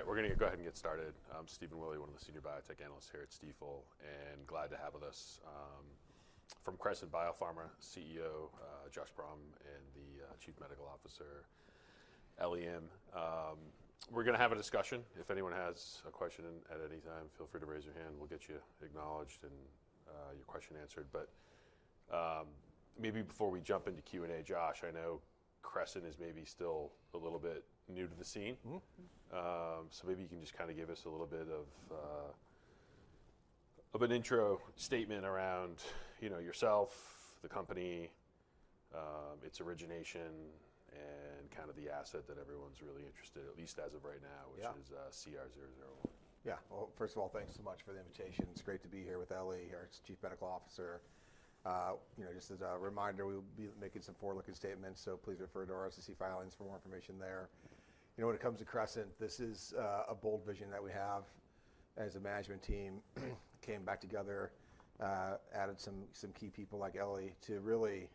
All right, we're going to go ahead and get started. I'm Stephen Willey, one of the senior biotech analysts here at Stifel, and glad to have with us from Crescent Biopharma CEO, Josh Brumm, and the Chief Medical Officer, Ellie Im. We're going to have a discussion. If anyone has a question at any time, feel free to raise your hand. We'll get you acknowledged and your question answered. But maybe before we jump into Q&A, Josh, I know Crescent is maybe still a little bit new to the scene. So maybe you can just kind of give us a little bit of an intro statement around yourself, the company, its origination, and kind of the asset that everyone's really interested in, at least as of right now, which is CR-001. Yeah. Well, first of all, thanks so much for the invitation. It's great to be here with Ellie, our Chief Medical Officer. Just as a reminder, we'll be making some forward-looking statements, so please refer to our SEC filings for more information there. When it comes to Crescent, this is a bold vision that we have as a management team. We came back together, added some key people like Ellie to really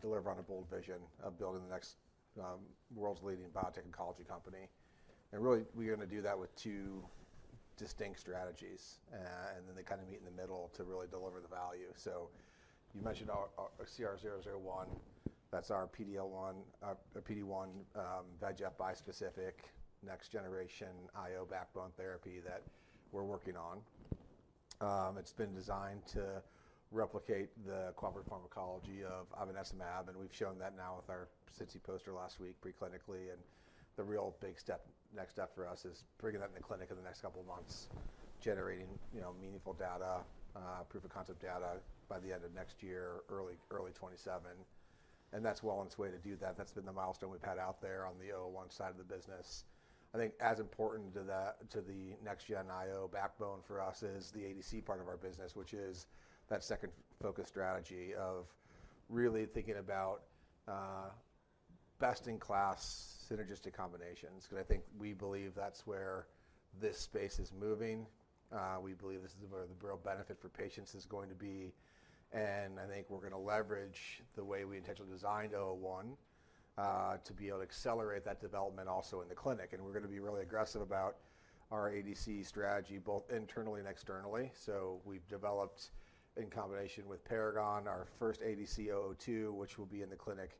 deliver on a bold vision of building the next world's leading biotech and oncology company. And really, we're going to do that with two distinct strategies, and then they kind of meet in the middle to really deliver the value. So you mentioned CR-001. That's our PD-1, PD-1 VEGF bispecific next-generation IO backbone therapy that we're working on. It's been designed to replicate the cooperative pharmacology of ivonescimab, and we've shown that now with our SITC poster last week preclinically. And the real big step, next step for us is bringing that into clinic in the next couple of months, generating meaningful data, proof of concept data by the end of next year, early 2027. And that's well on its way to do that. That's been the milestone we've had out there on the CR-001 side of the business. I think as important to the next-gen IO backbone for us is the ADC part of our business, which is that second-focused strategy of really thinking about best-in-class synergistic combinations, because I think we believe that's where this space is moving. We believe this is where the real benefit for patients is going to be. And I think we're going to leverage the way we intentionally designed CR-001 to be able to accelerate that development also in the clinic. And we're going to be really aggressive about our ADC strategy, both internally and externally. So we've developed, in combination with Paragon, our first ADC CR-002, which will be in the clinic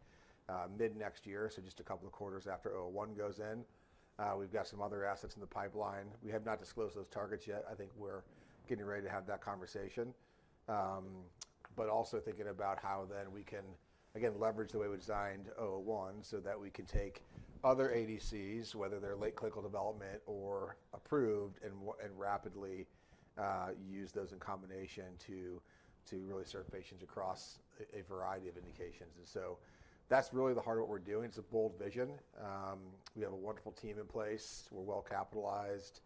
mid-next year, so just a couple of quarters after CR-001 goes in. We've got some other assets in the pipeline. We have not disclosed those targets yet. I think we're getting ready to have that conversation. But also thinking about how then we can, again, leverage the way we designed CR-001 so that we can take other ADCs, whether they're late clinical development or approved, and rapidly use those in combination to really serve patients across a variety of indications. And so that's really the heart of what we're doing. It's a bold vision. We have a wonderful team in place. We're well capitalized.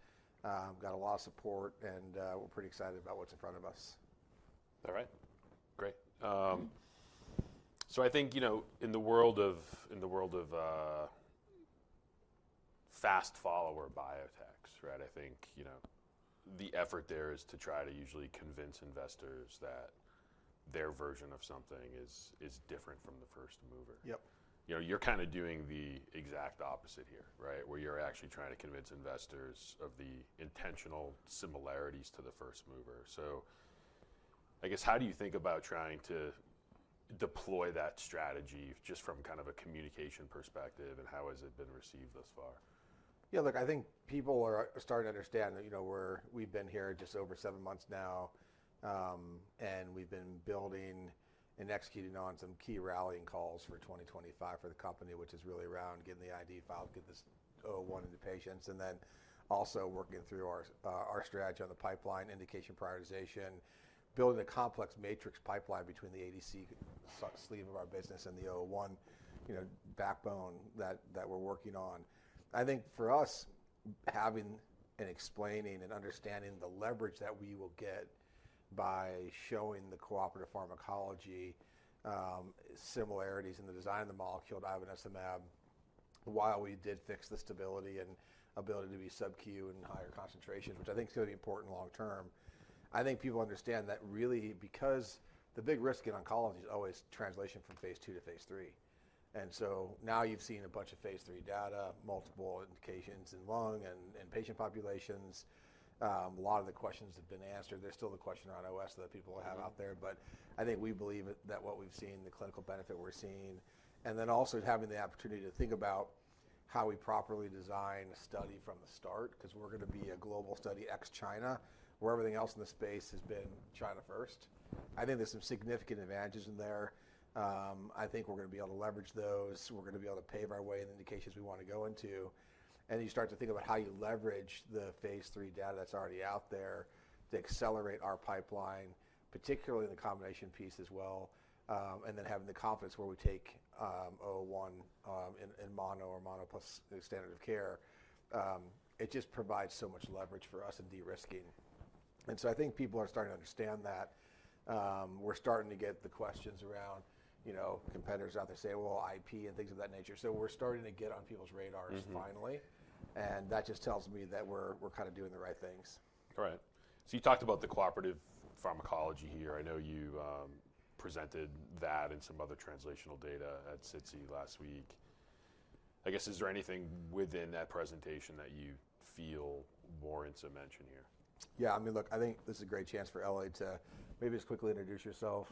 We've got a lot of support, and we're pretty excited about what's in front of us. All right. Great. So I think in the world of fast-follower biotechs, right, I think the effort there is to try to usually convince investors that their version of something is different from the first mover. Yep. You're kind of doing the exact opposite here, right, where you're actually trying to convince investors of the intentional similarities to the first mover. So I guess, how do you think about trying to deploy that strategy just from kind of a communication perspective, and how has it been received thus far? Yeah, look. I think people are starting to understand that we've been here just over seven months now, and we've been building and executing on some key rallying calls for 2025 for the company, which is really around getting the IND filed, getting this CR-001 into patients, and then also working through our strategy on the pipeline, indication prioritization, building a complex matrix pipeline between the ADC sleeve of our business and the CR-001 backbone that we're working on. I think for us, having and explaining and understanding the leverage that we will get by showing the cooperative pharmacology similarities in the design of the molecule to ivonescimab while we did fix the stability and ability to be sub-Q in higher concentrations, which I think is going to be important long-term. I think people understand that really because the big risk in oncology is always translation from phase II to phase III, and so now you've seen a bunch of phase III data, multiple indications in lung and patient populations. A lot of the questions have been answered. There's still the question around OS that people will have out there, but I think we believe that what we've seen, the clinical benefit we're seeing, and then also having the opportunity to think about how we properly design a study from the start, because we're going to be a global study ex-China, where everything else in the space has been China first. I think there's some significant advantages in there. I think we're going to be able to leverage those. We're going to be able to pave our way in the indications we want to go into. And you start to think about how you leverage the phase III data that's already out there to accelerate our pipeline, particularly in the combination piece as well, and then having the confidence where we take CR-001 in mono or mono plus standard of care. It just provides so much leverage for us in de-risking. And so I think people are starting to understand that. We're starting to get the questions around competitors out there saying, well, IP and things of that nature. So we're starting to get on people's radars finally. And that just tells me that we're kind of doing the right things. All right. So you talked about the cooperative pharmacology here. I know you presented that and some other translational data at SITC last week. I guess, is there anything within that presentation that you feel warrants a mention here? Yeah. I mean, look, I think this is a great chance for Ellie to maybe just quickly introduce yourself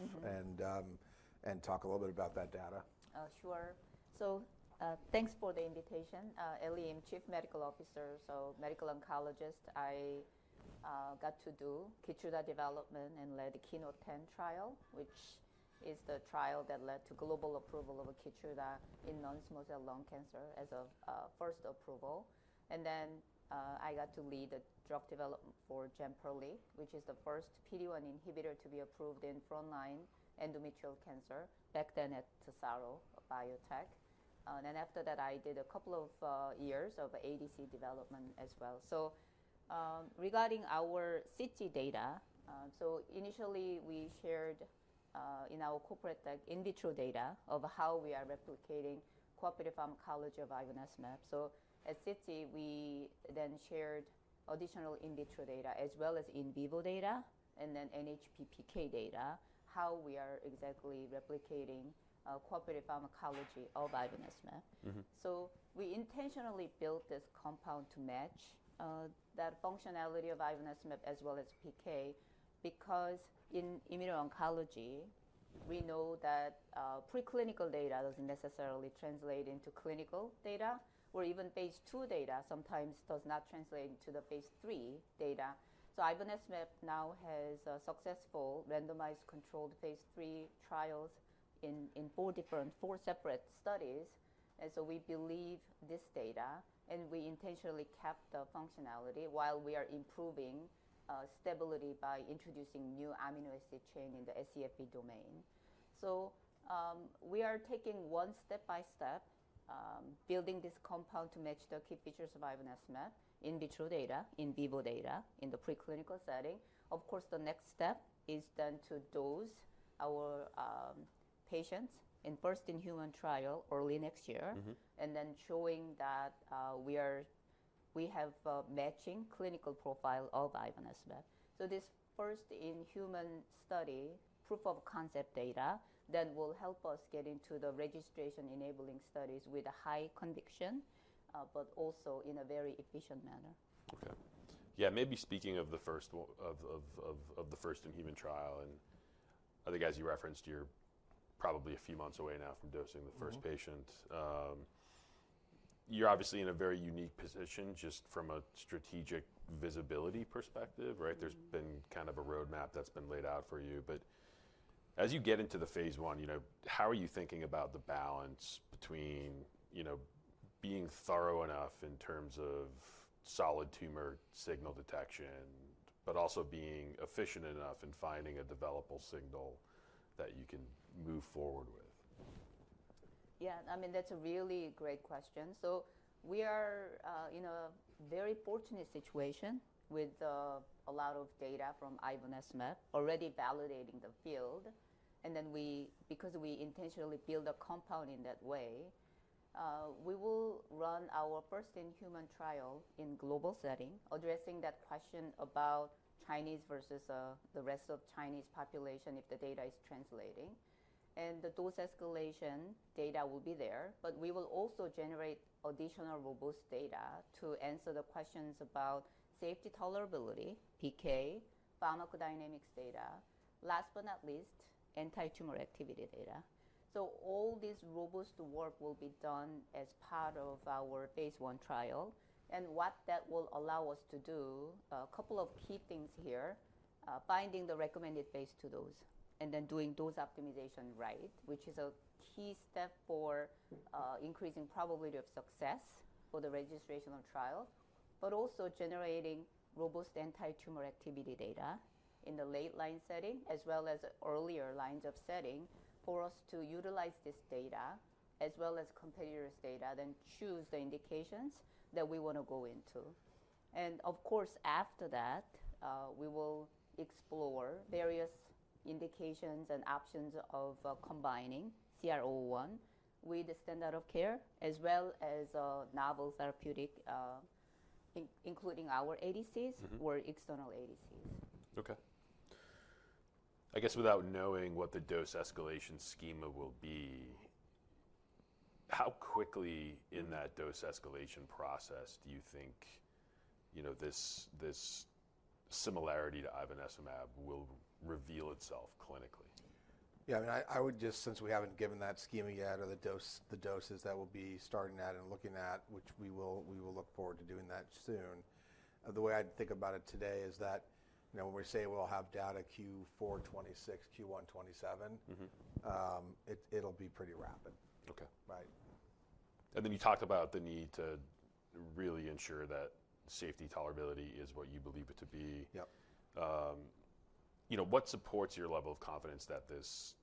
and talk a little bit about that data. Sure. So thanks for the invitation. Ellie Im, Chief Medical Officer, so medical oncologist. I got to do Keytruda development and led the KEYNOTE-010 trial, which is the trial that led to global approval of Keytruda in non-small cell lung cancer as a first approval. And then I got to lead the drug development for Jemperli, which is the first PD-1 inhibitor to be approved in frontline endometrial cancer back then at Tesaro. And then after that, I did a couple of years of ADC development as well. So regarding our SITC data, so initially we shared in our corporate deck in vitro data of how we are replicating cooperative pharmacology of ivonescimab. So at SITC, we then shared additional in vitro data as well as in vivo data and then NHP PK data, how we are exactly replicating cooperative pharmacology of ivonescimab. So we intentionally built this compound to match that functionality of ivonescimab as well as PK because in immuno-oncology, we know that preclinical data doesn't necessarily translate into clinical data or even phase II data sometimes does not translate into the phase III data. So ivonescimab now has successful randomized controlled phase III trials in four separate studies. And so we believe this data, and we intentionally kept the functionality while we are improving stability by introducing new amino acid chain in the scFv domain. So we are taking one step by step building this compound to match the key features of ivonescimab in vitro data, in vivo data, in the preclinical setting. Of course, the next step is then to dose our patients in first-in-human trial early next year, and then showing that we have matching clinical profile of ivonescimab. So this first-in-human study, proof of concept data, then will help us get into the registration enabling studies with a high conviction, but also in a very efficient manner. Okay. Yeah, maybe speaking of the first-in-human trial, and I think, as you referenced, you're probably a few months away now from dosing the first patient. You're obviously in a very unique position just from a strategic visibility perspective, right? There's been kind of a roadmap that's been laid out for you. But as you get into the phase I, how are you thinking about the balance between being thorough enough in terms of solid tumor signal detection, but also being efficient enough in finding a developable signal that you can move forward with? Yeah. I mean, that's a really great question. So we are in a very fortunate situation with a lot of data from ivonescimab already validating the field. And then because we intentionally build a compound in that way, we will run our first-in-human trial in global setting, addressing that question about Chinese versus the rest of the world population if the data is translating. And the dose escalation data will be there, but we will also generate additional robust data to answer the questions about safety tolerability, PK, pharmacodynamics data, last but not least, anti-tumor activity data. So all this robust work will be done as part of our phase I trial. And what that will allow us to do, a couple of key things here, finding the recommended phase II dose, and then doing dose optimization right, which is a key step for increasing probability of success for the registration trial, but also generating robust anti-tumor activity data in the late line setting as well as earlier lines of setting for us to utilize this data as well as competitors' data, then choose the indications that we want to go into. And of course, after that, we will explore various indications and options of combining CR-001 with the standard of care as well as novel therapeutic, including our ADCs or external ADCs. Okay. I guess without knowing what the dose escalation schema will be, how quickly in that dose escalation process do you think this similarity to ivonescimab will reveal itself clinically? Yeah. I mean, I would just, since we haven't given that schema yet or the doses that we'll be starting at and looking at, which we will look forward to doing that soon, the way I'd think about it today is that when we say we'll have data Q4 '26, Q1 '27, it'll be pretty rapid. Okay. Right. You talked about the need to really ensure that safety tolerability is what you believe it to be. Yep. What supports your level of confidence that this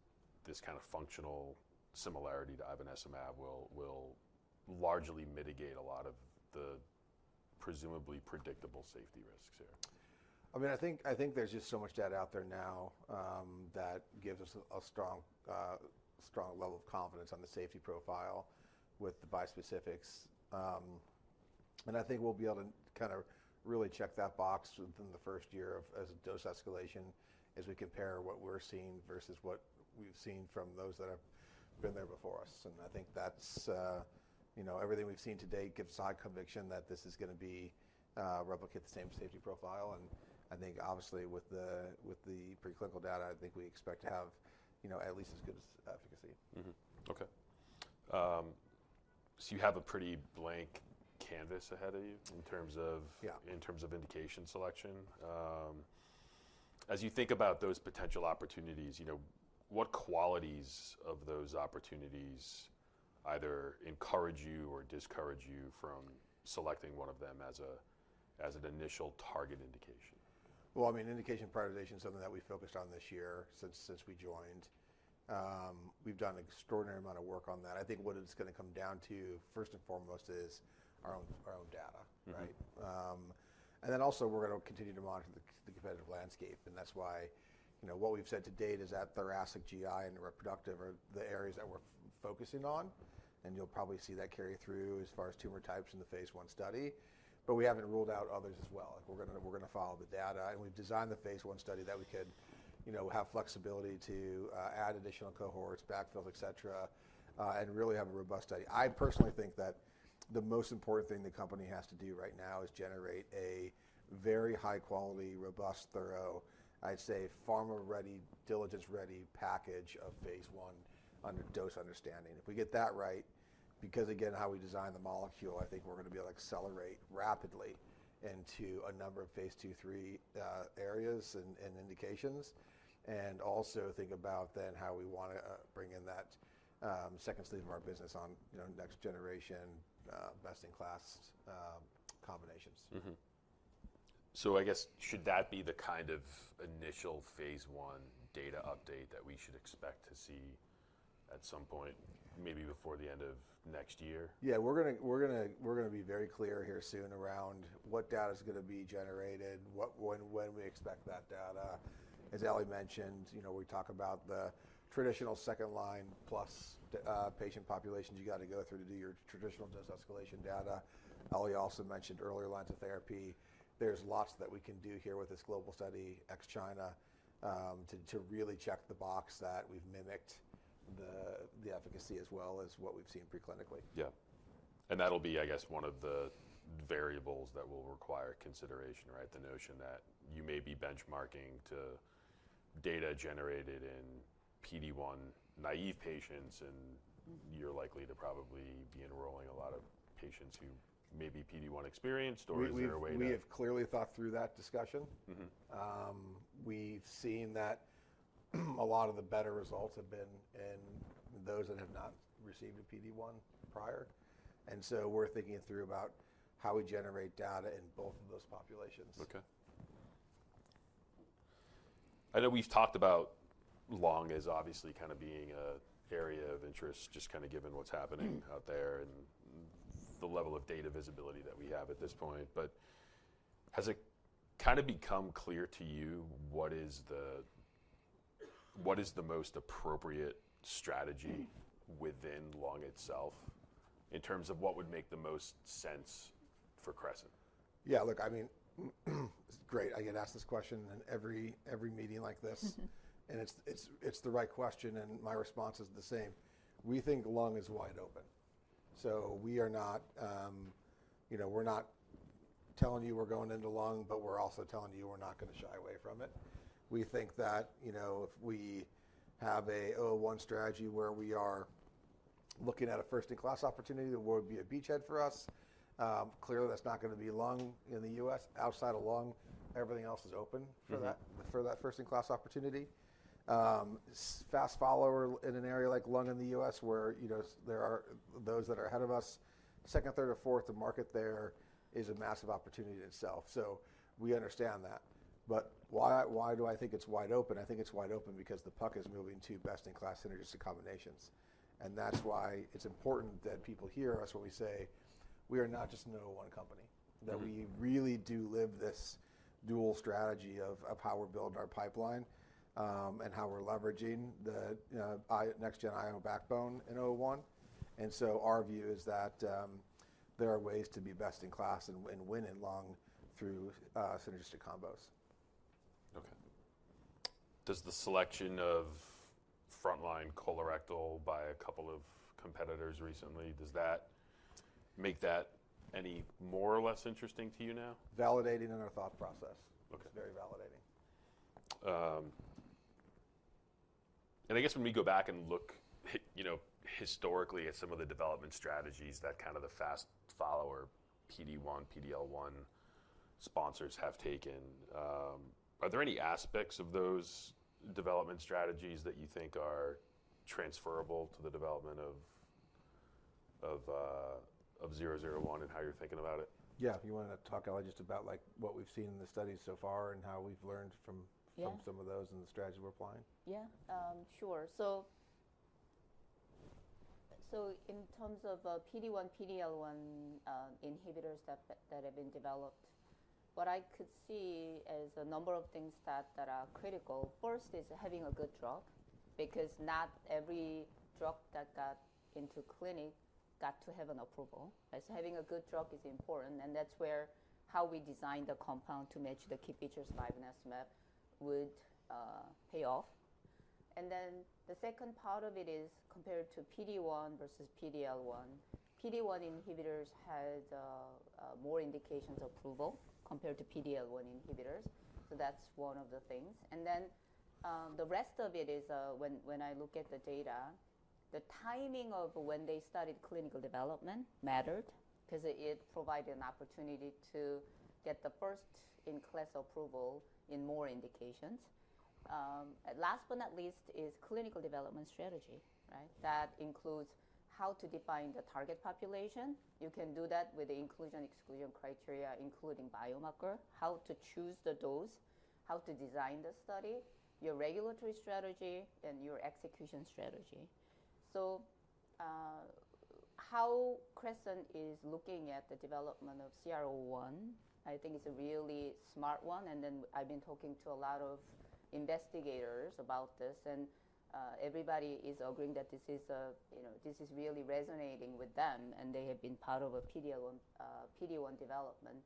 kind of functional similarity to ivonescimab will largely mitigate a lot of the presumably predictable safety risks here? I mean, I think there's just so much data out there now that gives us a strong level of confidence on the safety profile with the bispecifics. And I think we'll be able to kind of really check that box within the first year of dose escalation as we compare what we're seeing versus what we've seen from those that have been there before us. And I think everything we've seen to date gives us high conviction that this is going to replicate the same safety profile. And I think, obviously, with the preclinical data, I think we expect to have at least as good as efficacy. Okay. So you have a pretty blank canvas ahead of you in terms of indication selection. As you think about those potential opportunities, what qualities of those opportunities either encourage you or discourage you from selecting one of them as an initial target indication? Well, I mean, indication prioritization is something that we focused on this year since we joined. We've done an extraordinary amount of work on that. I think what it's going to come down to, first and foremost, is our own data, right? And then also, we're going to continue to monitor the competitive landscape. And that's why what we've said to date is that thoracic, GI, and reproductive are the areas that we're focusing on. And you'll probably see that carry through as far as tumor types in the phase I study. But we haven't ruled out others as well. We're going to follow the data. And we've designed the phase I study that we could have flexibility to add additional cohorts, backfills, etc., and really have a robust study. I personally think that the most important thing the company has to do right now is generate a very high-quality, robust, thorough, I'd say, pharma-ready, diligence-ready package of phase I dose understanding. If we get that right, because, again, how we design the molecule, I think we're going to be able to accelerate rapidly into a number of phase II, three areas and indications, and also think about then how we want to bring in that second sleeve of our business on next generation best-in-class combinations. I guess, should that be the kind of initial phase I data update that we should expect to see at some point, maybe before the end of next year? Yeah. We're going to be very clear here soon around what data is going to be generated, when we expect that data. As Ellie mentioned, we talk about the traditional second line plus patient populations you got to go through to do your traditional dose escalation data. Ellie also mentioned earlier lines of therapy. There's lots that we can do here with this global study ex-China to really check the box that we've mimicked the efficacy as well as what we've seen preclinically. Yeah. And that'll be, I guess, one of the variables that will require consideration, right? The notion that you may be benchmarking to data generated in PD-1 naive patients, and you're likely to probably be enrolling a lot of patients who may be PD-1 experienced or is there a way to? We have clearly thought through that discussion. We've seen that a lot of the better results have been in those that have not received a PD-1 prior. And so we're thinking through about how we generate data in both of those populations. Okay. I know we've talked about lung as obviously kind of being an area of interest, just kind of given what's happening out there and the level of data visibility that we have at this point. But has it kind of become clear to you what is the most appropriate strategy within lung itself in terms of what would make the most sense for Crescent? Yeah. Look, I mean, it's great. I get asked this question in every meeting like this. And it's the right question. And my response is the same. We think lung is wide open. So we are not telling you we're going into lung, but we're also telling you we're not going to shy away from it. We think that if we have an CR-001 strategy where we are looking at a first-in-class opportunity, the world would be a beachhead for us. Clearly, that's not going to be lung in the U.S. Outside of lung, everything else is open for that first-in-class opportunity. Fast follower in an area like lung in the U.S. where there are those that are ahead of us, second, third, or fourth, the market there is a massive opportunity in itself. So we understand that. But why do I think it's wide open? I think it's wide open because the puck is moving to best-in-class synergistic combinations. And that's why it's important that people hear us when we say we are not just an CR-001 company, that we really do live this dual strategy of how we're building our pipeline and how we're leveraging the next-gen IO backbone in CR-001. And so our view is that there are ways to be best-in-class and win in lung through synergistic combos. Okay. Does the selection of frontline colorectal by a couple of competitors recently, does that make that any more or less interesting to you now? Validating in our thought process. It's very validating. I guess when we go back and look historically at some of the development strategies that kind of the fast follower PD-1, PD-L1 sponsors have taken, are there any aspects of those development strategies that you think are transferable to the development of 001 and how you're thinking about it? Yeah. You want to talk just about what we've seen in the studies so far and how we've learned from some of those and the strategy we're applying? Yeah. Sure. So in terms of PD-1, PD-L1 inhibitors that have been developed, what I could see as a number of things that are critical. First is having a good drug because not every drug that got into clinic got to have an approval. So having a good drug is important. And that's where how we design the compound to match the key features of ivonescimab would pay off. And then the second part of it is compared to PD-1 versus PD-L1. PD-1 inhibitors had more indications of approval compared to PD-L1 inhibitors. So that's one of the things. And then the rest of it is when I look at the data, the timing of when they started clinical development mattered because it provided an opportunity to get the first-in-class approval in more indications. Last but not least is clinical development strategy, right? That includes how to define the target population. You can do that with the inclusion-exclusion criteria, including biomarker, how to choose the dose, how to design the study, your regulatory strategy, and your execution strategy. So how Crescent is looking at the development of CR-001, I think it's a really smart one. And then I've been talking to a lot of investigators about this. And everybody is agreeing that this is really resonating with them. And they have been part of a PD-1 development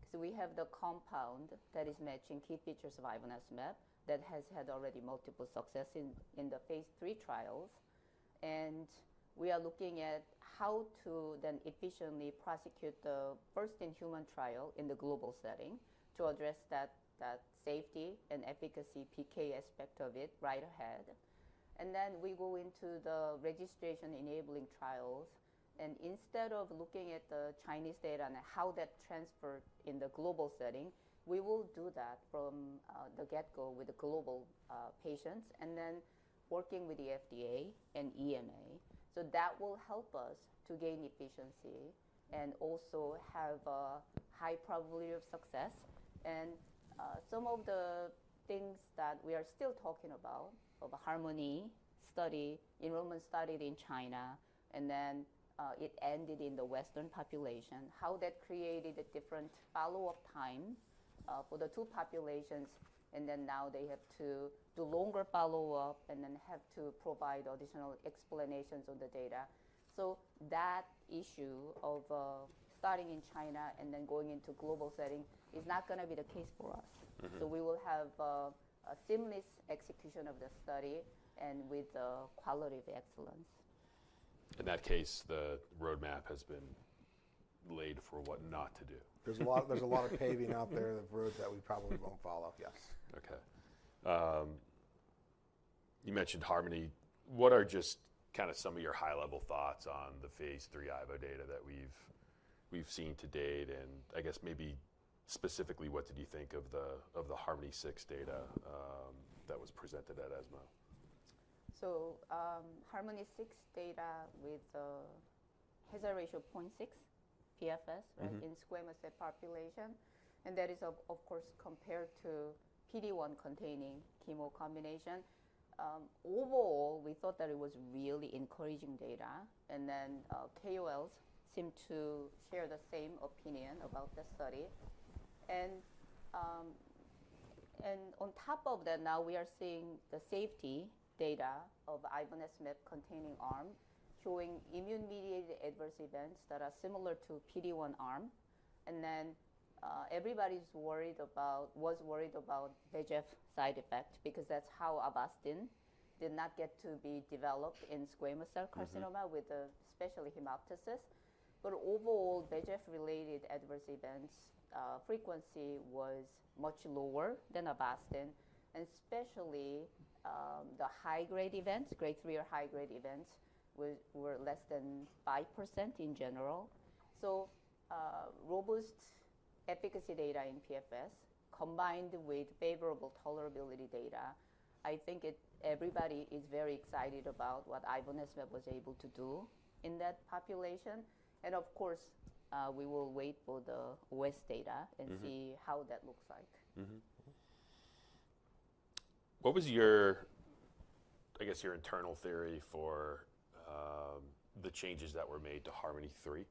because we have the compound that is matching key features of ivonescimab that has had already multiple successes in the phase III trials. And we are looking at how to then efficiently prosecute the first-in-human trial in the global setting to address that safety and efficacy PK aspect of it right ahead. And then we go into the registration enabling trials. And instead of looking at the Chinese data and how that transferred in the global setting, we will do that from the get-go with the global patients and then working with the FDA and EMA, so that will help us to gain efficiency and also have a high probability of success, and some of the things that we are still talking about the HARMONi study, enrollment started in China, and then it expanded to the Western population, how that created a different follow-up time for the two populations, and then now they have to do longer follow-up and then have to provide additional explanations on the data, so that issue of starting in China and then going into global setting is not going to be the case for us, so we will have a seamless execution of the study and with quality of excellence. In that case, the roadmap has been laid for what not to do. There's a lot of paving out there of roads that we probably won't follow, yes. Okay. You mentioned HARMONi. What are just kind of some of your high-level thoughts on the phase III IVO data that we've seen to date? And I guess maybe specifically, what did you think of the HARMONi-6 data that was presented at ESMO? So, HARMONi-6 data with HR 0.6 PFS in squamous cell population. And that is, of course, compared to PD-1 containing chemo combination. Overall, we thought that it was really encouraging data. And then KOLs seem to share the same opinion about the study. And on top of that, now we are seeing the safety data of ivonescimab containing arm showing immune-mediated adverse events that are similar to PD-1 arm. And then everybody was worried about VEGF side effects because that's how Avastin did not get to be developed in squamous cell carcinoma with especially hemoptysis. But overall, VEGF-related adverse events frequency was much lower than Avastin. And especially the high-grade events, grade 3 or high-grade events were less than 5% in general. So robust efficacy data in PFS combined with favorable tolerability data, I think everybody is very excited about what ivonescimab was able to do in that population. And of course, we will wait for the OS data and see how that looks like. What was, I guess, your internal theory for the changes that were made to HARMONi-3?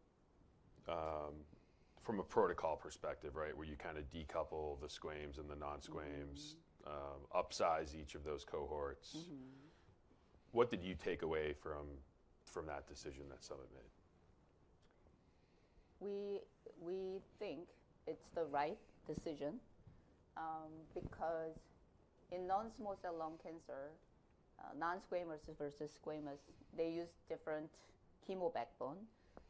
From a protocol perspective, right, where you kind of decouple the squamous and the non-squamous, upsize each of those cohorts, what did you take away from that decision that someone made? We think it's the right decision because in non-small cell lung cancer, non-squamous versus squamous, they use different chemo backbone.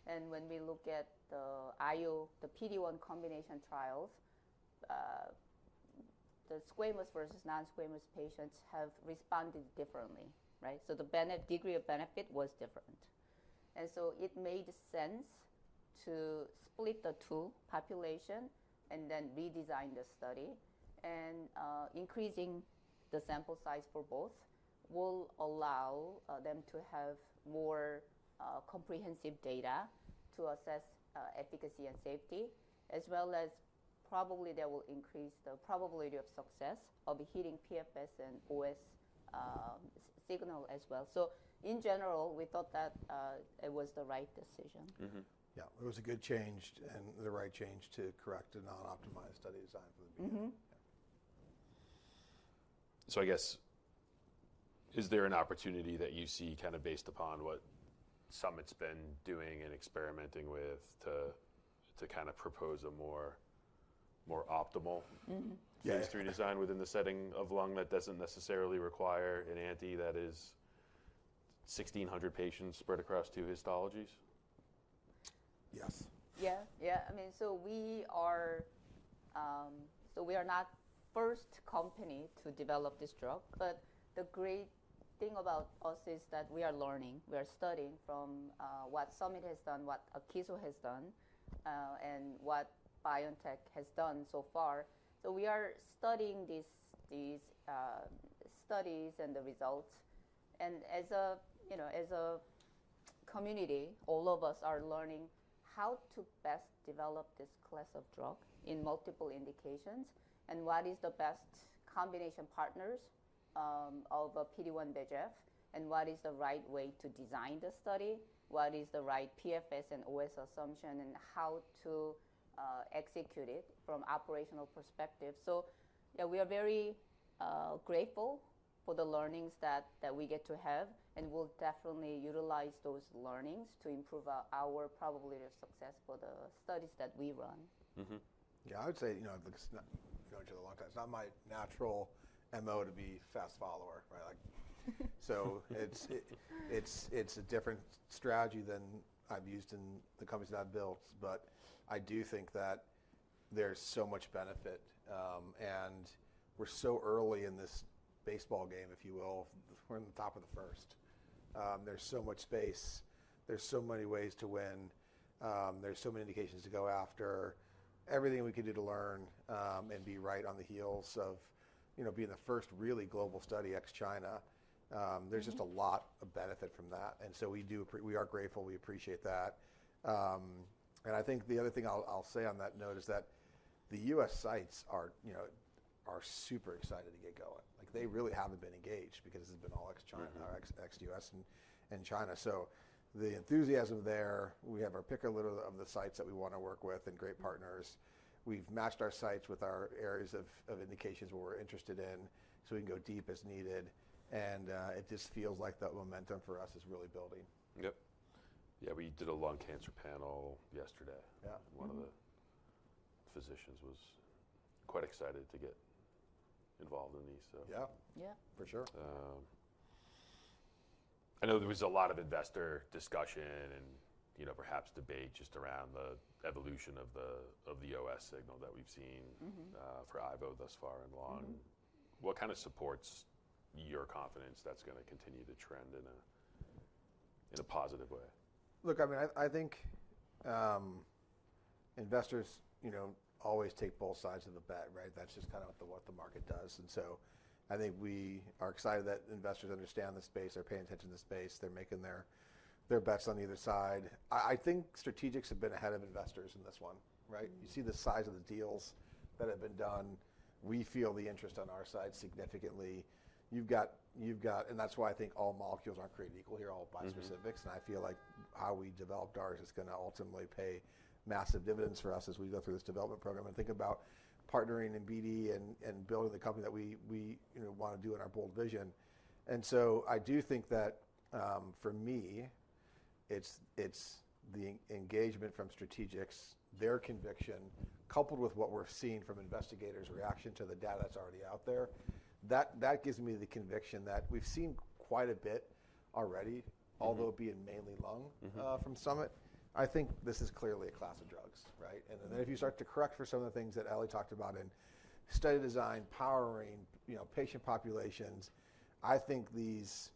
And when we look at the PD-1 combination trials, the squamous versus non-squamous patients have responded differently, right? So the degree of benefit was different. And so it made sense to split the two populations and then redesign the study. And increasing the sample size for both will allow them to have more comprehensive data to assess efficacy and safety, as well as probably that will increase the probability of success of hitting PFS and OS signal as well. So in general, we thought that it was the right decision. Yeah. It was a good change and the right change to correct a non-optimized study design from the beginning. I guess, is there an opportunity that you see kind of based upon what Summit's been doing and experimenting with to kind of propose a more optimal phase III design within the setting of lung that doesn't necessarily require an N that is 1,600 patients spread across two histologies? Yes. Yeah. Yeah. I mean, so we are not the first company to develop this drug. But the great thing about us is that we are learning. We are studying from what Summit has done, what Akeso has done, and what biotech has done so far. So we are studying these studies and the results. And as a community, all of us are learning how to best develop this class of drug in multiple indications and what is the best combination partners of a PD-1 VEGF and what is the right way to design the study, what is the right PFS and OS assumption, and how to execute it from operational perspective. So yeah, we are very grateful for the learnings that we get to have. And we'll definitely utilize those learnings to improve our probability of success for the studies that we run. Yeah. I would say going to the long term, it's not my natural MO to be fast follower, right? So it's a different strategy than I've used in the companies that I've built. But I do think that there's so much benefit. And we're so early in this baseball game, if you will. We're in the top of the first. There's so much space. There's so many ways to win. There's so many indications to go after. Everything we can do to learn and be right on the heels of being the first really global study ex-China. There's just a lot of benefit from that. And so we are grateful. We appreciate that. And I think the other thing I'll say on that note is that the U.S. sites are super excited to get going. They really haven't been engaged because it's been all ex-China or ex-U.S. and China. So the enthusiasm there, we have our pick of the sites that we want to work with and great partners. We've matched our sites with our areas of indications where we're interested in. So we can go deep as needed. And it just feels like that momentum for us is really building. Yep. Yeah. We did a lung cancer panel yesterday. One of the physicians was quite excited to get involved in these, so. Yeah. Yeah. For sure. I know there was a lot of investor discussion and perhaps debate just around the evolution of the OS signal that we've seen for IVO thus far in lung. What kind of supports your confidence that's going to continue to trend in a positive way? Look, I mean, I think investors always take both sides of the bet, right? That's just kind of what the market does, and so I think we are excited that investors understand the space. They're paying attention to the space. They're making their best on either side. I think strategics have been ahead of investors in this one, right? You see the size of the deals that have been done. We feel the interest on our side significantly, and that's why I think all molecules aren't created equal here, all bispecifics, and I feel like how we developed ours is going to ultimately pay massive dividends for us as we go through this development program and think about partnering in BD and building the company that we want to do in our bold vision. And so I do think that for me, it's the engagement from strategics, their conviction, coupled with what we're seeing from investigators' reaction to the data that's already out there. That gives me the conviction that we've seen quite a bit already, although being mainly lung from Summit. I think this is clearly a class of drugs, right? And then if you start to correct for some of the things that Ellie talked about in study design, powering, patient populations, I think these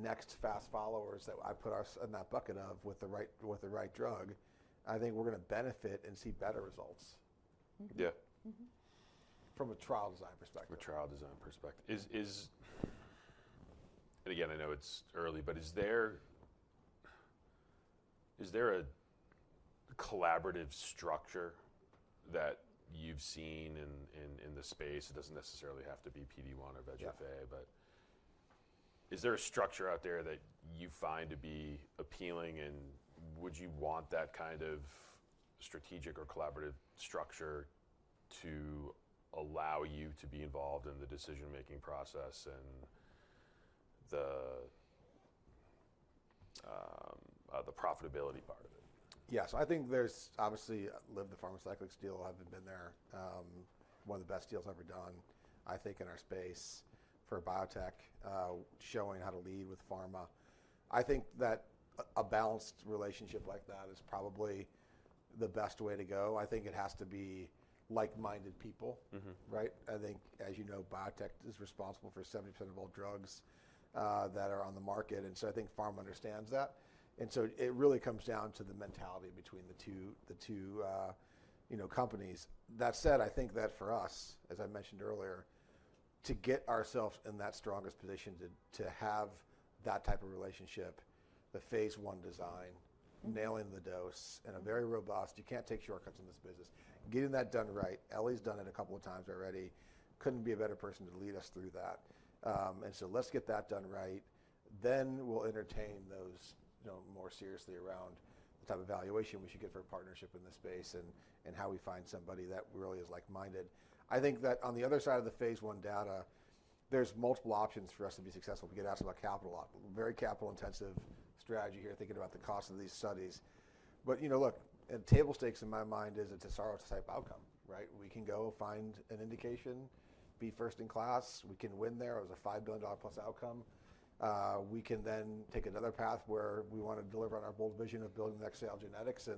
next fast followers that I put us in that bucket of with the right drug, I think we're going to benefit and see better results from a trial design perspective. From a trial design perspective, and again, I know it's early, but is there a collaborative structure that you've seen in the space? It doesn't necessarily have to be PD-1 or VEGF-A, but is there a structure out there that you find to be appealing, and would you want that kind of strategic or collaborative structure to allow you to be involved in the decision-making process and the profitability part of it? Yes. I think there's obviously like the Pharmacyclics deal having been there, one of the best deals ever done, I think, in our space for Biotech, showing how to lead with pharma. I think that a balanced relationship like that is probably the best way to go. I think it has to be like-minded people, right? I think, as you know, biotech is responsible for 70% of all drugs that are on the market. And so I think pharma understands that. And so it really comes down to the mentality between the two companies. That said, I think that for us, as I mentioned earlier, to get ourselves in that strongest position to have that type of relationship, the phase I design, nailing the dose and a very robust, you can't take shortcuts in this business, getting that done right. Ellie's done it a couple of times already. Couldn't be a better person to lead us through that. So let's get that done right. Then we'll entertain those more seriously around the type of valuation we should get for a partnership in this space and how we find somebody that really is like-minded. I think that on the other side of the phase I data, there's multiple options for us to be successful. We get asked about capital, very capital-intensive strategy here, thinking about the cost of these studies. But look, table stakes in my mind is it's a Tesaro-type outcome, right? We can go find an indication, be first-in-class. We can win there. It was a $5 billion+ outcome. We can then take another path where we want to deliver on our bold vision of building the next Celgene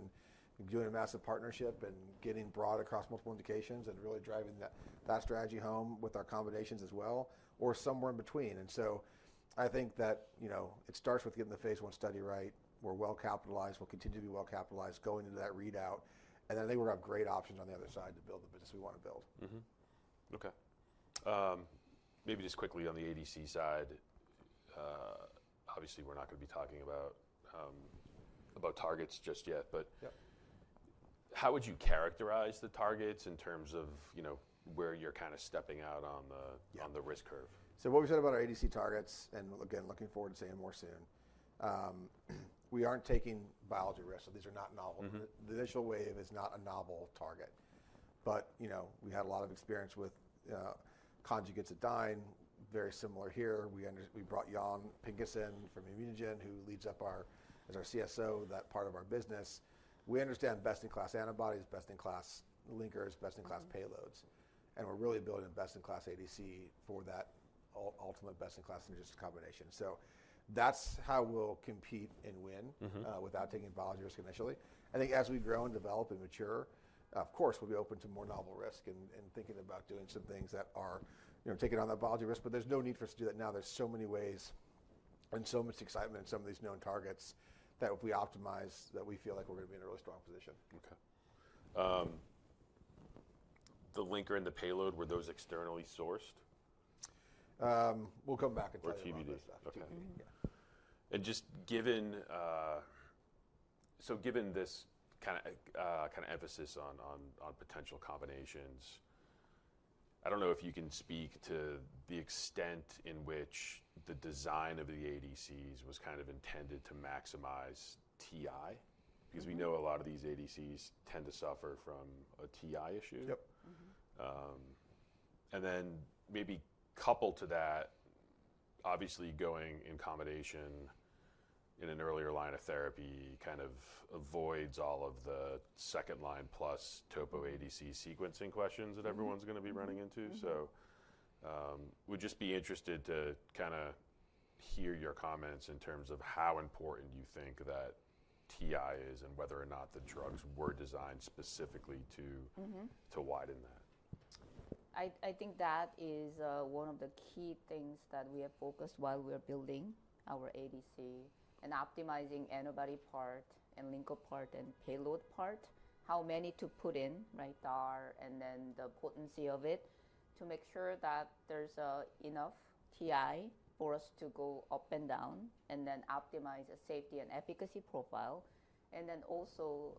and doing a massive partnership and getting broad across multiple indications and really driving that strategy home with our combinations as well, or somewhere in between, and so I think that it starts with getting the phase I study right. We're well capitalized. We'll continue to be well capitalized going into that readout, and I think we're going to have great options on the other side to build the business we want to build. Okay. Maybe just quickly on the ADC side, obviously, we're not going to be talking about targets just yet. But how would you characterize the targets in terms of where you're kind of stepping out on the risk curve? So what we said about our ADC targets and again, looking forward to seeing more soon, we aren't taking biology risks. So these are not novel. The initial wave is not a novel target. But we had a lot of experience with conjugates of Dyne, very similar here. We brought Yun Peng from ImmunoGen who leads up as our CSO that part of our business. We understand best-in-class antibodies, best-in-class linkers, best-in-class payloads. And we're really building a best-in-class ADC for that ultimate best-in-class synergistic combination. So that's how we'll compete and win without taking biology risk initially. I think as we grow and develop and mature, of course, we'll be open to more novel risk and thinking about doing some things that are taking on that biology risk. But there's no need for us to do that now. There's so many ways and so much excitement in some of these known targets that if we optimize, that we feel like we're going to be in a really strong position. Okay. The linker and the payload, were those externally sourced? We'll come back and talk about that stuff. Okay, and just given this kind of emphasis on potential combinations, I don't know if you can speak to the extent in which the design of the ADCs was kind of intended to maximize TI because we know a lot of these ADCs tend to suffer from a TI issue, and then maybe coupled to that, obviously, going in combination in an earlier line of therapy kind of avoids all of the second line plus topo ADC sequencing questions that everyone's going to be running into, so we'd just be interested to kind of hear your comments in terms of how important you think that TI is and whether or not the drugs were designed specifically to widen that. I think that is one of the key things that we have focused while we are building our ADC and optimizing antibody part and linker part and payload part, how many to put in, right, and then the potency of it to make sure that there's enough TI for us to go up and down and then optimize a safety and efficacy profile, and then also,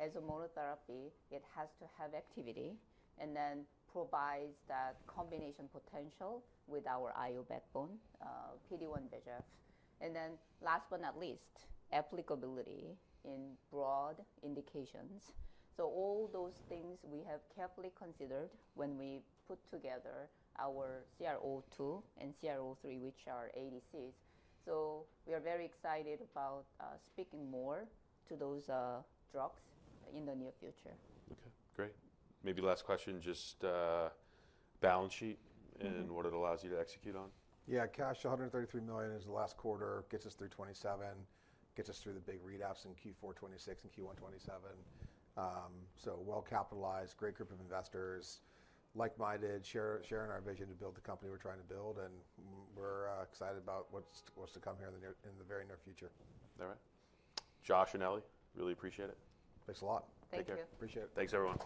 as a monotherapy, it has to have activity and then provides that combination potential with our IO backbone, PD-1 VEGF, and then last but not least, applicability in broad indications. So all those things we have carefully considered when we put together our CR-002 and CR-003, which are ADCs. So we are very excited about speaking more to those drugs in the near future. Okay. Great. Maybe last question, just balance sheet and what it allows you to execute on? Yeah. Cash, $133 million is the last quarter, gets us through 2027, gets us through the big readouts in Q4 2026 and Q1 2027. So well capitalized, great group of investors, like-minded, sharing our vision to build the company we're trying to build. And we're excited about what's to come here in the very near future. All right. Josh and Ellie, really appreciate it. Thanks a lot. Thank you. Appreciate it. Thanks everyone.